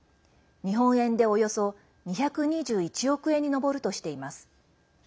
日本円で、およそ２２１億円に上るとしています。